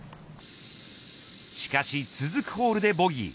しかし、続くホールでボギー。